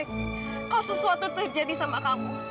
kalau sesuatu terjadi sama kamu